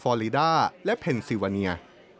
อลีด้าและเพนซิวาเนีย